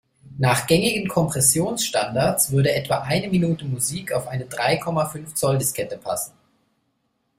Nach gängigen Kompressionsstandards würde etwa eine Minute Musik auf eine drei Komma fünf Zoll-Diskette passen.